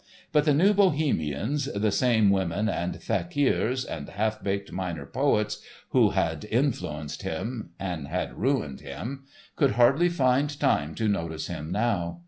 But the New Bohemians, the same women and fakirs and half baked minor poets who had "influenced" him and had ruined him, could hardly find time to notice him now.